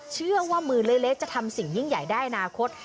เชื่อว่ามือเล็กจะทำสิ่งยิ่งใหญ่ได้อนาคต